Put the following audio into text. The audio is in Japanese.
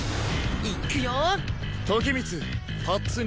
いくよ潔！